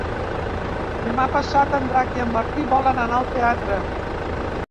Demà passat en Drac i en Martí volen anar al teatre.